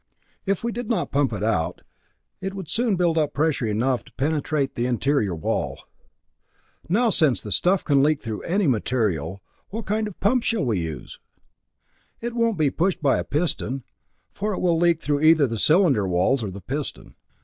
If we did not pump it out, it would soon build up pressure enough to penetrate the interior wall. Now, since the stuff can leak through any material, what kind of a pump shall we use? It won't be pushed by a piston, for it will leak through either the cylinder walls or the piston.